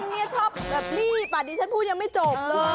เนี่ยชอบแบบรีบอ่ะดิฉันพูดยังไม่จบเลย